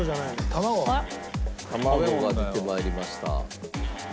卵が出てまいりました。